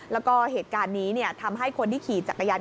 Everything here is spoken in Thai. แล้วก็เหตุการณ์นี้ทำให้คนที่ขี่จักรยาน